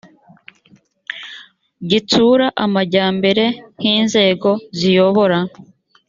gitsura amajyambere nk inzego ziyobora